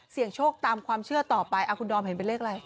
โชคตามความเชื่อต่อไปคุณดอมเห็นเป็นเลขอะไร